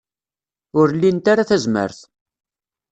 Ur lint ara tazmert.